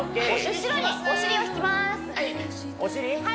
後ろにお尻を引きますお尻？